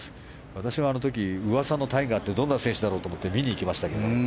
私はあの時、噂のタイガーってどんな選手だろうと思って見に行きましたけど。